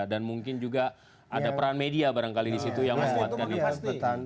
dan mungkin juga ada peran media barangkali di situ yang memuatkan